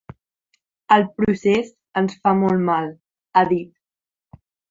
El procés ens fa molt mal, ha dit.